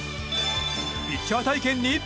ピッチャー体験に。